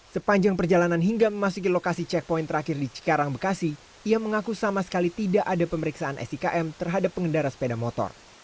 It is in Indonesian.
sepanjang perjalanan hingga memasuki lokasi checkpoint terakhir di cikarang bekasi ia mengaku sama sekali tidak ada pemeriksaan sikm terhadap pengendara sepeda motor